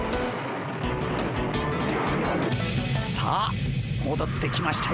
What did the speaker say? さあもどってきましたよ。